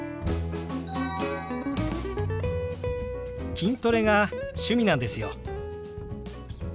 筋トレが趣味なんですよ。